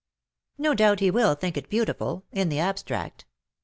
"No doubt he will think it beautiful — in the abstract.